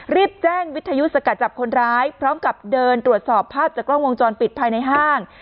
รีบแจ้งวิทยุสกัดจับคนร้ายพร้อมกับเดินตรวจสอบภาพจากกล้องวงจรปิดภายในห้าง